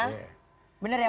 tidak mau ikut tertipu